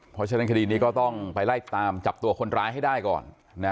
เพราะฉะนั้นคดีนี้ก็ต้องไปไล่ตามจับตัวคนร้ายให้ได้ก่อน